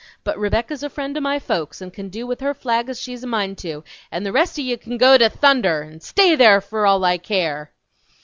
But Rebecca's a friend o' my folks and can do with her flag's she's a mind to, and the rest o' ye can go to thunder n' stay there, for all I care!"